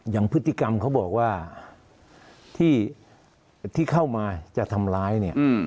อย่างพฤติกรรมเขาบอกว่าที่เข้ามาจะทำร้ายเนี่ย